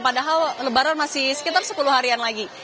padahal lebaran masih sekitar sepuluh harian lagi